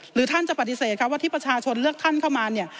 ท่านจะปฏิเสธครับว่าที่ประชาชนเลือกท่านเข้ามาเนี่ย